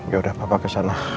yaudah papa kesana